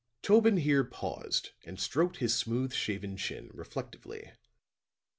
Tobin here paused and stroked his smooth shaven chin, reflectively.